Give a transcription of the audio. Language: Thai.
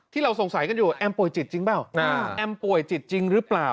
เราสงสัยกันอยู่แอมป่วยจิตจริงเปล่าแอมป่วยจิตจริงหรือเปล่า